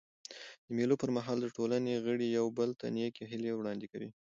د مېلو پر مهال د ټولني غړي یو بل ته نېکي هیلي وړاندي کوي.